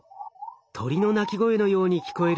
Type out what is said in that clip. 鳥の鳴き声のように聞こえる